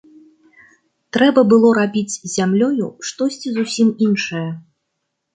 Трэба было рабіць з зямлёю штосьці зусім іншае.